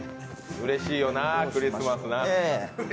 うれしいよな、クリスマス。